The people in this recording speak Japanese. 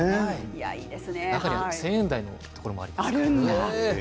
中には１０００円台のところもあります。